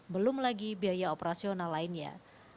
belum lagi biaya operasional lainnya